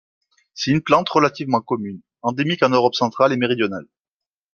C'est une plante relativement commune, endémique en Europe centrale et méridionale.